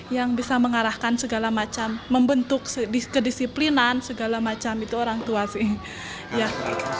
yang bisa mengarahkan segala macam membentuk kedisiplinan segala macam itu orang tua sih